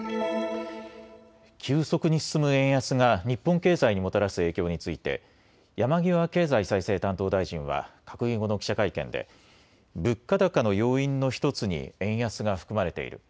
急速に進む円安が日本経済にもたらす影響について山際経済再生担当大臣は閣議後の記者会見で物価高の要因の１つに円安が含まれている。